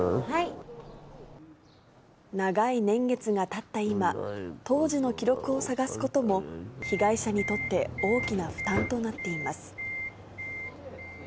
長い年月がたった今、当時の記録を探すことも、被害者にとって大きな負担となっています。